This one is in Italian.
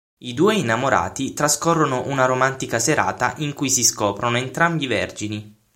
I due innamorati trascorrono una romantica serata in cui si scoprono entrambi vergini.